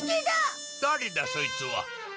だれだそいつは？